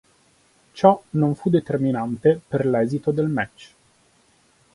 Ciò non fu determinante per l'esito del match.